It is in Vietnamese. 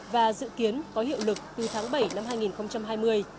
và dự kiến có hiệu lực từ tháng bảy năm hai nghìn hai mươi